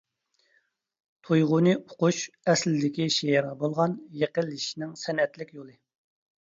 تۇيغۇنى ئۇقۇش ئەسلىدىكى شېئىرغا بولغان يېقىنلىشىشنىڭ سەنئەتلىك يولى.